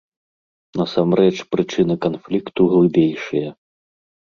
Насамрэч прычыны канфлікту глыбейшыя.